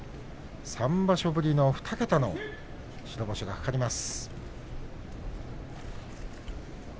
３場所ぶりの２桁の白星が懸かります。